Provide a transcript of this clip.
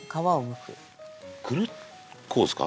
くるっとこうですか？